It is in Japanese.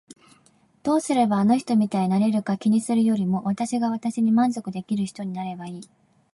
どうすればあの人みたいになれるか気にするよりも私が私に満足できる人になればいい。